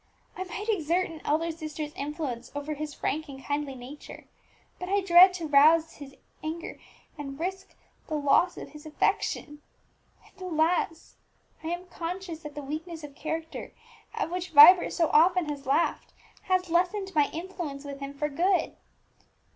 I might exert an elder sister's influence over his frank and kindly nature; but I dread to rouse his anger, and risk the loss of his affection. And, alas! I am conscious that the weakness of character at which Vibert so often has laughed, has lessened my influence with him for good.